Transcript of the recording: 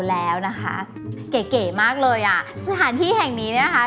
แล้วนะคะเก๋เก๋มากเลยอ่ะสถานที่แห่งนี้เนี่ยนะคะ